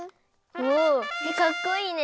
おおかっこいいね！